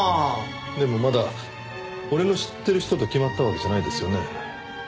でもまだ俺の知ってる人と決まったわけじゃないですよね？